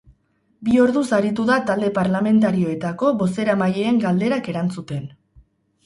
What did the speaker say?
Bi orduz aritu da talde parlamentarioetako bozeramaileen galderak erantzuten.